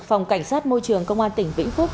phòng cảnh sát môi trường công an tỉnh vĩnh phúc